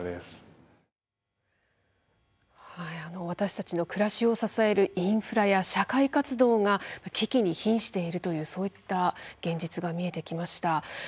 私たちの暮らしを支えるインフラや社会活動が危機にひんしているというそういった現実が見えてきました。